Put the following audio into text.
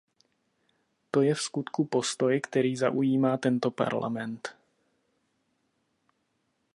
To je vskutku postoj, který zaujímá tento Parlament.